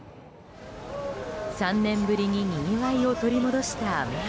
３年ぶりににぎわいを取り戻したアメ横。